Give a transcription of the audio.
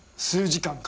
数時間。